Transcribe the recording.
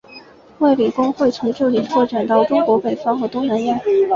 卫理公会从这里扩展到中国北方和东南亚。